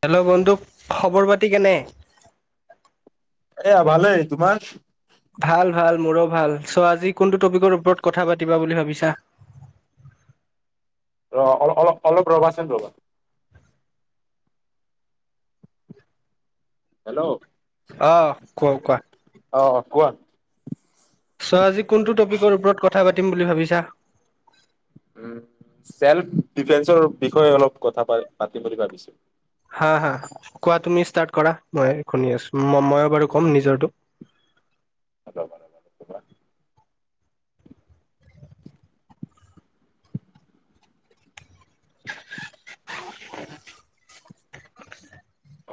Hello বন্ধু খবৰ পাতি কেনে? এয়া ভালই। তোমাৰ? ভাল ভাল মোৰো ভাল চ' আজি কোনটো টপিকৰ ওপৰত কথা পাতিবা বুলি ভাবিছা? ৰ অল অলপ অলপ ৰবাচোন ৰ'বা। হেল্ল' আহ কোৱা কোৱা অ কোৱা চ আজিক কোনটো টপিকৰ ওপৰত কথা পা পাতিম বুলি ভাবিছা? উম চেলফ ডিফেন্সৰ বিষয়ে অলপ কথাা পাতিম বুলি ভাবিছো। হাঁ হাঁ । কোৱা তুমি ষ্টাৰ্ট কৰা মই শুনি আছো ময়ো বাৰু ক'ম নিজৰটো হ বাৰ খব [inaudible]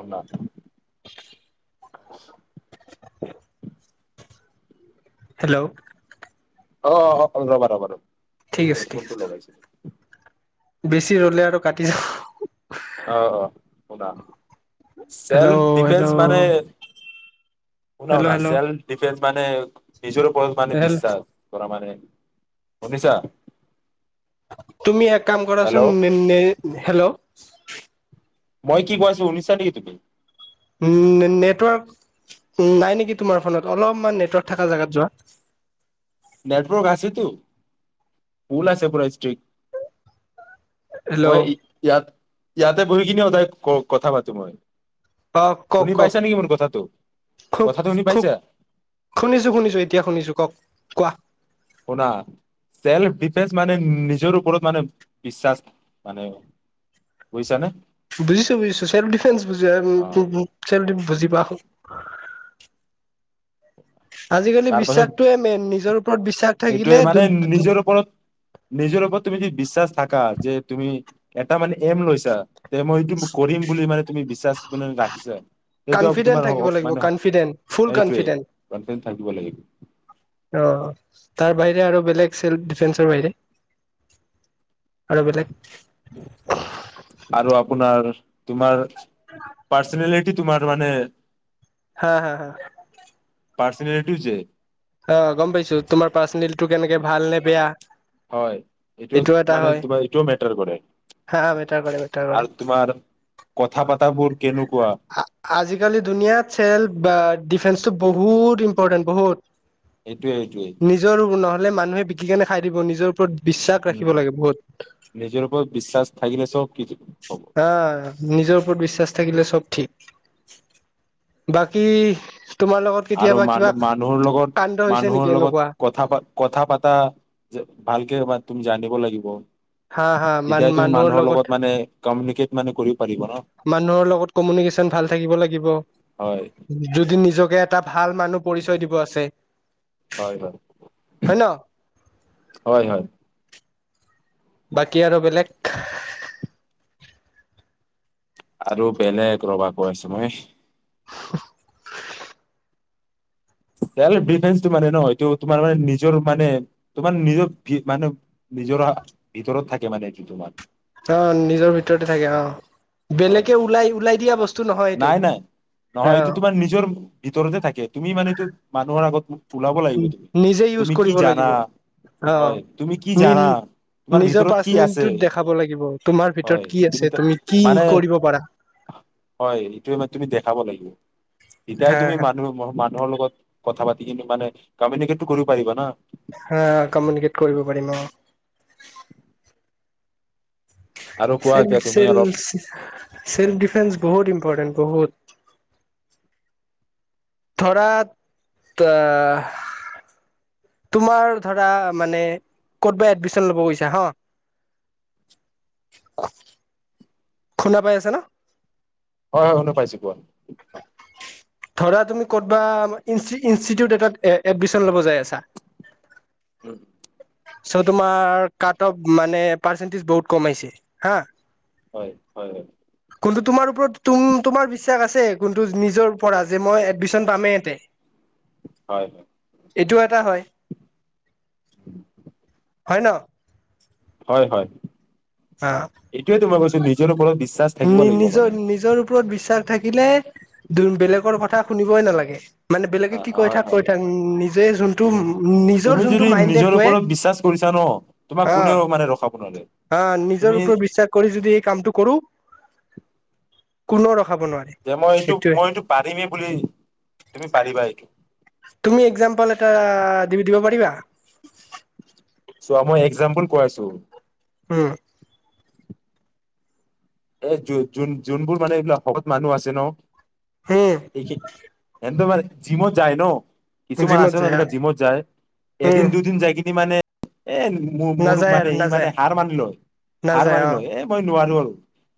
অঁ [inaudible] হেল্ল' অঁ অঁ কম ৰবা ৰবা ঠিক আছে ঠিক হেডফোনটো আছে লগাইছিলো বেছি ৰলে আৰু কাটি যাওঁ অঁ অঁ অঁ হেল্ল' হেল্ল' শুনা হেল্ল' শুনা হেল্ল' চেল্ফ ডিফেন্স মানে নিজৰ ওপৰত মানে হেল্ল বিশ্বাস কৰা মানে শুনিছা তুমি এক কাম কৰাচোন হেল্ল' হেল্ল' [inaudible] মই কি কৈছো শুনিছা চাৰি প [unintelligible] নেটৱৰ্ক নাই নেকি তোমাৰ ফোনত অলপমান নেটৱৰ্ক থকা জাগাত যোৱা নেটৱৰ্ক আছেতো ফুল আছে পুৰা ষ্ট্ৰিক হেল্ল' মই ইয়াত ইয়াতে বহিখিনি সদায় ক কথা পাতো মই আহ কওঁক শুনি কওঁক পাইছা নেকি মোৰ কথাটো খুব কথাটো শুনি খুব পাইছা শুনিছো শুনিছো এতিয়া শুনিছো কওঁক কোৱা শুনা চেল্ফ ডিফেন্স মানে নিজৰ ওপৰত মানে বিশ্বাস মানে বুজিছানে বুজিছো, বুজিছো চেলফ ডিফেন্স বুজিছো অ বুজিছো বুজি পাওঁ। [unintelligible] আজিকালি বিশ্বাসটোয়ে মেইন নিজৰ। ওপৰত বিশ্বাস থাকিলে সেইটোৱে মানে নিজৰ ওপৰত নিজৰ ওপৰত তুমি য বিশ্বাস। থাকা যে তুমি এটা মানে এম লৈছা। তে মই এইটো কৰিম বুলি মানে। তুমি বিশ্বাস। ৰাখিছে সেইটোয়া কনফিডেন্ট তোমাৰ থাকিব লাগিব মানে কনফিডেন্ট ফুল এই কনফিডেন্ট টোৱেই থাকিব লাগিব। অ তাৰ বাহিৰে আৰু বেলেগ চেল্ফ ডিফেন্সৰ বাহিৰে আৰু বেলেগ। আৰু আপোনাৰ তোমাৰ। পাৰ্চনেলিটিতো তোমাৰটো মানে হাঁ হাঁ হাঁ পাৰ্চনেটিউ যে অঁ গম পাইছো তোমাৰ পাৰ্চনেলটো কেনেকে ভাল নে বেয়া হয় এইটোও এইটো এটা মানে হয় তোমাৰ এইটোও মেটাৰ কৰে হা মেটাৰ কৰে মেটাৰ কৰে আৰু তোমাৰ কথা পাতা বল আজিকালি ধুনীয়া চেল ডিফেন্ টো বহুত ইম্পৰ্টেণ্ট বহুত এইটোৱে এইটোৱেই নিজৰ নহ'লে মানুহে বিকি কেনে খাই দিব নিজৰ ওপৰত বিশ্বাস উম ৰাখিব লাগে বহুত নিজৰ ওপৰত বিশ্বাস থাকিলে চব কিছু হ'ব হা নিজৰ ওপৰত বিশ্বাস থাকিলে চব ঠিক বাকী তোমাৰ লগত আৰু কেতিয়াবা কিবা মানুহ মানুহৰ লগত কাণ্ড হৈছে নেকি মানুহৰ এনেকুৱা লগত কথা কথা পাতা যে ভালকে তুমি জানিব লাগিব জীৱন হা হা মান মানুহৰ লগত মানে কমিউনিকেট মানে কৰিব পাৰিব ন মানুহৰ লগত কমিউনিকেশ্যন ভাল থাকিব লাগিব হয় যদি নিজকে এটা ভাল মানুহ পৰিচয় দিব আছে হয় হয় হয় ন হয় হয় বাকী আৰু বেলেগ আৰু বেলেগ ৰবা কৈ আছো মই [unintelligible] চেলফ ডিফেন্সটো মানে ন এইটো তোমাৰ মানে নিজৰ মানে তোমাৰ নিজৰ মানে নিজৰ ভিতৰত থাকে মানে এইটো তোমাৰ অ নিজৰ ভিতৰতে থাকে অ হয় বেলেগে ওলাই ওলাই দিয়া বস্তু নহয় এইটো নাই নাই নহয় অ এইটো তোমাৰ নিজৰ ভিতৰতে থাকে তুমি মানে এইটো মানুহৰ আগত ওলাব লাগিব তুমি নিজে ইউজ তুমি কি কৰিব জানা লাগিব অ হয় তুমি কি নি জানা তোমাৰ নিজৰ ভিতৰত কি আছে পাৰ্চনেলিটি দেখাব লাগিব তোমাৰ ভিতৰত কি আছে তুমি কি মানে কৰিব পাৰা এইটোৱে তুমি দেখাব লাগিব এতিয়াই হা তুমি হা মানুহ মানুহৰ লগত কথা পাতি কিন্তু মানে কমিউনিকেটটো কৰিব পাৰিবা না হা কমিউনিকেট কৰিব পাৰিম অ' আৰু কোৱা এতিয়া তুমি অলপ চেল্ফ ডিফেন্স বহুত ইম্পৰ্টেণ্ট বহুত ধৰা তোমাৰ ধৰা মানে ক'ত এডমিচন ল'ব গৈছা হ খুন্দা পাই আছে না হয় হয় শুনা পাইছো কোৱা ধৰা তুমি ক'তবা ইনষ্টিটিউট এটাত এডমিচন ল'ব যাই আছা উম চ তোমাৰ কাট অফ মানে পাৰ্চেণ্টিজ বহুত কম আহিছে হা হয় হয় হয় কোনটো তোমাৰ ওপৰত তোমাৰ বিশ্বাস আছে কোনটো নিজৰ পৰা যে মই এডমিশন পামেই ইয়াতে হয় এইটো এটা হয় হয় ন হয় হয় অ এইটোৱে তো মই কৈছো নিজৰ ওপৰত বিশ্বাস থাকিব নি লাগিব নিজৰ মানে নিজৰ ওপৰত বিশ্বাস থাকিলে বেলেগৰ কথা শুনিবই নালাগে মানে বেলেগে অ কি কৈ হয় থাক কৈ হয় থাক নিজে যোনটো উ নিজৰ তুমি যোনটো যদি মাইণ্ডে নিজৰ কোৱে ওপৰত বিশ্বাস কৰিছা ন তোমাক কোনেও মানে ৰখাব নোৱাৰে হা নিজৰ তুমি ওপৰত বিশ্বাস কৰি যদি এই কামটো কৰো কোনো ৰ যে মই এইটো মই এইটো পাৰিমেই বুলি তুমি পাৰিবা এইটো তুমি একজাম্পল এটা দি দিব পাৰ পাৰিবা চোৱা মই একজাম্পুল কৈ আছোঁ উম এ যো যোন যোনবোৰ মানে এইবিলাক শকত মানুহ আছে ন উম এইখিনি এন্ত মানে জিমত যায় ন কিছুমান জিমত আছে ন যায় এনেকে জিমত যায় এদিন উম দুদিন যাই কিনি মানে এ মোৰ মোৰ নাযায় মানে আৰু ই মানে নাযায় হাৰ মানিলো হাৰ নাযায় অ মানিলো এ মই নোৱাৰো আৰু উ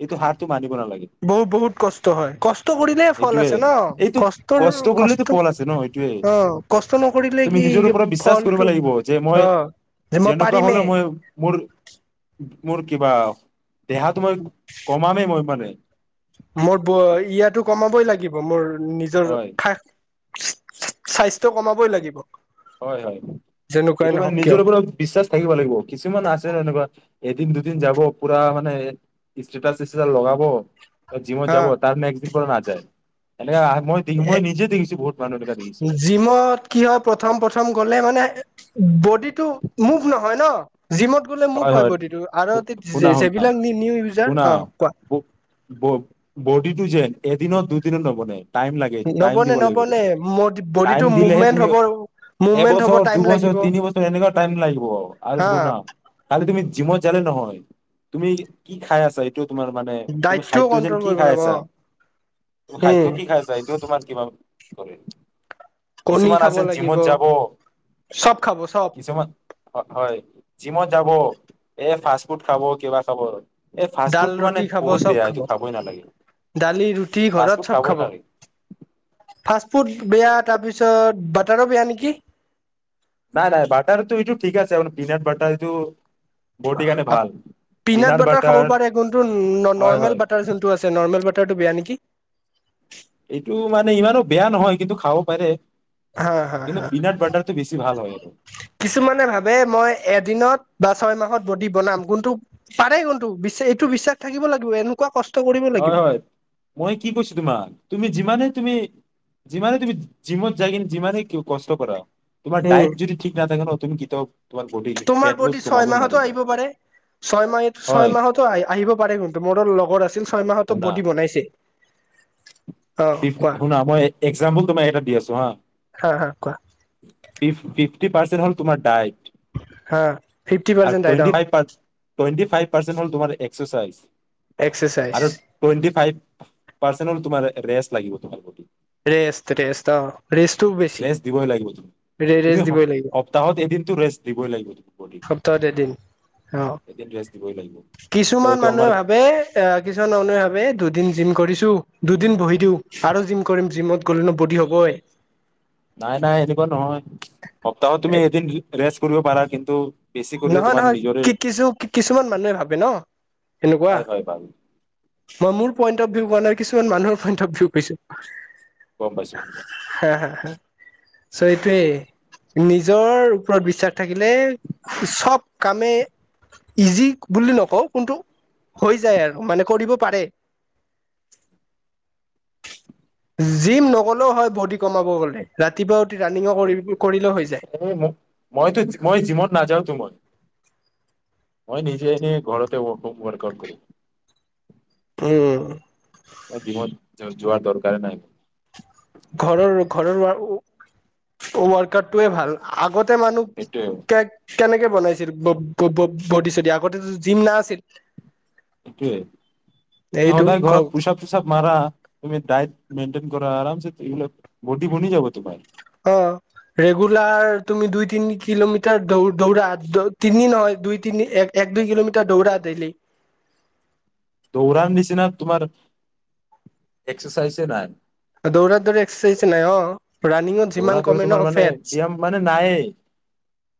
এইটো হাৰটো মানিব নালাগে বহুত বহুত কষ্ট হয় কষ্ট কৰিলে ফল এইটোয়ে আছে ন এইটো কষ্টৰ কৰিলেতো কষ্ট ফল আছে ন এইটোয়ে অ কষ্ট নকৰিলে তুমি কি নিজৰ ওপৰত বিশ্বাস কৰিব ফলটো লাগিব যে মই আহ যে মই যেনেকুৱা হলেও পাৰিমেই মই মোৰ মোৰ কিবা দেহাটো মই মই মানে মোৰ ব ইয়াতো কমাবই লাগিব মোৰ নিজৰ হয় ঠাক স্বাস্থ্য কমাবই লাগিব হয় হয় যেনেকুৱাই এইটো মানে নহওক নিজৰ কিয় ওপৰত বিশ্বাস থাকিব লাগিব কিছুমান আছে ন এনেকুৱা এদিন দুদিন যাব পুৰা মানে ষ্টেটাছ চিষ্টেটাছ লগাব জিমত হা যাব তাৰ নেক্সট দিন পৰা নাযায় এ মই দেখি মই নিজে দেখিছোঁ বহুত মানুহ এনেকা দেখিছোঁ জিমত কি হয় প্ৰথম প্ৰথম গ'লে মানে বডিটো মুভ নহয় ন জিমত গ'লে মুভ হয় বডিটো আৰু শুনা যেই শুনা যেইবিলাক নিউ ইউজাৰ শুনা অ কোৱা বডি টো যেন এদিনত দুদিনত নবনে টাইম লাগে টাইম নবনে দিব লাগিব নবনে টাইম বডিটো দিলেহে মুভমেন্ট তুমি হ'ব মুভমেন্ট হ'ব এবছৰ টাইম দুবছৰ লাগিব তিনি বছৰ এনেকুৱা টাইম লাগিব আৰু হা শুনা জিমত জালে নহয় তুমি কি খাই আছা তোমাৰ মানে তুমি ডাইটটোও খাদ্য যেন কন্ট্ৰল কি কৰিব খাই লাগিব আছা অ তুমি খাদ্য উম কি খাই আছা এইটোও তোমাৰ কিবা হয় কণী কিছুমান খাব আছে লাগিব জিমত যাব চব খাব চব কিছুমান হয় জিমত যাব এ ফাষ্ট ফুড খাব কিবা খাব এই ফাষ্ট ডাল ফুডটো মানে ৰুটি খাব বহুত চব বেয়া খাব। এইটো খাবই নালাগে দালি ৰুটি ফাষ্ট ঘৰত ফুড চব খাবই খাব নালাগে ফাষ্ট ফুড বেয়া তাৰ পিছত তাৰিছত বাটাৰ ও বেয়া নেকি? নাই নাই বাটাৰটো এইটো ঠিক আছে ম পিনাট বাটাৰ এইটো বডিৰ কাৰণে ভাল পিনাট বাটাৰ খাব পাৰে কোনটো হয় হয় নৰ্মেল বাটাৰ যোনটো আছে নৰ্মেল বাটাৰ টো বেয়া নেকি? এইটো মানে ইমানো বেয়া নহয় কিন্তু খাব পাৰে। হা হা কিন্তু হা পিনাট বাটাৰটো বেছি ভাল হয় আৰু কিছুমানে ভাবে মই এদিনত বা ছয় মাহত বডি বনাম কোনটো পাৰে কোনটো বিশ্ব এইটো বিশ্বাস থাকিব লাগিব এনেকুৱা কষ্ট কৰিব লাগিব হয় হয় মই কি কৈছো তোমাক তুমি যিমানে তুমি যিমানে তুমি জিমত যায় ন যিমানে কষ্ট কৰা তোমাৰ উম ডায়েট যদি ঠিক ন থাকে তুমি কেতিয়াও তোমাৰ বডি তোমাৰ ফেট লছ বডি কমাব ছয় মাহতো নোৱাৰিবা আহিব পাৰে ছয় মাহ হয় ছয় মাহতো আহ আহিব পাৰে কিন্তু মোৰো লগৰ আছে আছিল ছয় মাহতো শুনা বডি বনাইছে। অ ফ কোৱা শুনা মই এক্সাম্পল তোমাৰ এটা দি আছো হা, হা হা কোৱা এইটতি পৰ্ছেনত হল হল তোমাৰ দাইট হা ফিফটি পাৰ্চেণ্ট ডাইত অ ফাইভ পাৰ- টুৱেন্টি ফাইভব পৰ্ছেনত হল এক্সচাইছাই এক্সাৰচাইজ আৰু টুৱেন্টি ফাইভ পাৰ্চেনট হল তোমাৰ ৰেষ্ট লাগিব তোমাৰ প্ৰতি ৰেষ্ট ৰেষ্ট অ ৰেষ্টটোও বেছি ৰেষ্ট দিবই লাগিব তুমি। তুমি ৰেৰেষ্ট স দিবই লাগিব। সপ্তাহত এদিনতো ৰেষ্ট দিবই লাগিব তুমি বডিক সপ্তাহত এদিন। অ, এদিন ৰেষ্ট দিবই লাগিব। কিছুমান কিয়টো আমাৰ মানুহে ভাবে আহ কিছুমান মানুহে ভাবে দুদিন জিম কৰি ছো দুদিন বহি দিও আৰু জিম কৰিম জিমত গ'লে নো বডি হ'বই নাই নাই এনেকুৱা নহয়। সপ্তাহত তুমি এদিন। ৰেষ্ট কৰিব পাৰা কিন্তু। বেছি কৰিলে নহয় তোমাৰ নহয় নিজৰে কি কিছু কিছুমান মানুহে ভাবে ন এনেকুৱা। হয় হয় বাৰু। মই মোৰ পইন্ট অফ ভিউ কৰা নাই। কিছুমান মানুহৰ পইন্ট অফ ভিউ পাইছো। গমপাইছো হা হা চ এইটোৱেই, নিজৰ ওপৰত বিশ্বাস থাকিলে। চব কামে ইজি বুলি নকওঁ, কিন্তু হৈ যায় আৰু মানে কৰিব পাৰে । জিম নকলেও হয় বডি কমাব গলে ৰাতিপুৱা। উঠি ৰানিঙো কৰি কৰিলেও হৈ যায় এ মইতো মই যিমত নাযাওঁ। মই নিজে ঘৰতে ৱক আউত কৰিম। উম মই জিমত যোৱাৰ তৰকাৰে নাই। ঘৰৰ ঘৰৰ ৱাৰকটোৱে ভাল আগত। তে মানু সেইটোৱে কে কেনেকে বনাইছিল ভতি চট আগতেো জিম না আছিল সটোৱে তুমি সদায় ঘৰত অ পোচাপ চুচাপ মাৰা তুমি দায়িত্ব। আৰ বি বনি যাব তোমাৰ। অ ৰেগুলাৰ তুমি দুই তিনি কিলোমিটাৰ দৌ দৌৰা তিনি নহয় দুই তিনি এক এক দুই কিলোমিটাৰ দৌৰা ডেইলি। ত উৰাণ দিছিনা তোমাৰ। এক্সাৰচাইজে নাই। দৌৰাত দৌৰে এক্সাৰচাইজ নাই অ। ৰানিঙত যিমান দৌৰা দৌ কমে তোমাৰ ন মানে ফেটছ ব্যায়াম মানে নায়েই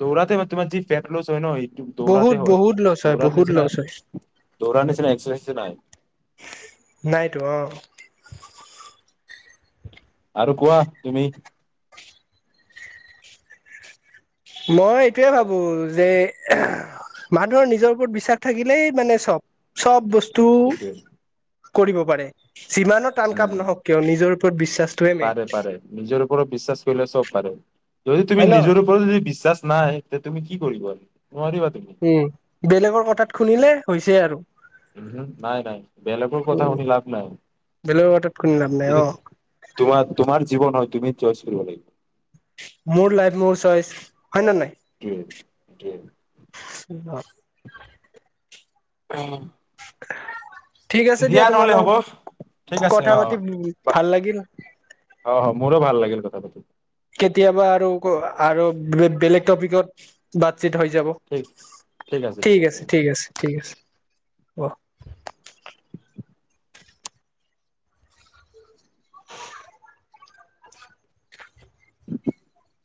দৌৰাতে মান তোমাৰ যি ফেট লচ হয় ন সটো বহুত দৌৰাতে হয় বহুত লছ হয় দৌৰাাৰ বহুত নিচিনা লছ হয় দৌৰাৰ নিচিনা এক্সচেঞ্জ নাই। নাইতো অ আৰু কোৱা তুমি। মই এইটোয়ে ভাবো যে মানুহৰ নিজৰ ওপৰত বিশ্বাস থাকিলেই মানে চব চব বস্তু। সটো। কৰিব পাৰে। যিমানৰ টান কাপ নহওক কিয় নিজৰ। বিশ্ব পাৰে পাৰে নিজৰ ওপৰত বিশ্বাস কৰিলে চব পাৰে যদি তুমি হয় ন নিজৰ ওপৰত যদি বিশ্বাস। নাই এতিয়া তুমি কি কৰিবি। উম বেলেগৰ কথাত শুনিলে। ছে আৰু। উ নাই নাই বেলেগৰ কথা উম শুনি লাভ নাই বেলেগৰ কথাত শুনি লাভ নাই অ কিন্তু তোমাৰ তোমাৰ জীৱন হয়। তুমি চইচ কৰিব লাগিব। মোৰ লাইফ মোৰ চইচ। হয় নে নাই [unintelligible] অঁ উম ঠিক আছে দিয়া তোমাৰ নহলে হ'ব লগত ঠিক আছে কথা অ পাতি ভাল লাগিল অ মোৰো ভাল লাগিল তাবটো কেতিয়াবা আৰু আৰু বেলেগ টপিকত হৈ যাব ঠিক ঠিক আছে ঠিক আছে ঠিক আছে ৱ [inaudible]